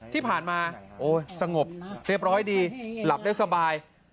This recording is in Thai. ที่ผ่านมาโอ้ยสงบเรียบร้อยดีหลับได้สบาย